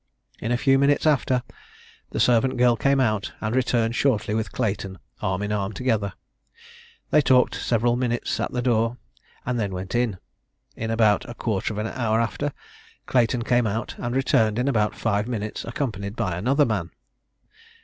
In a few minutes after, the servant girl came out, and returned shortly with Clayton, arm in arm together. They talked together several minutes at the door, and then went in. In about a quarter of an hour after, Clayton came out, and returned in about five minutes, accompanied by another man.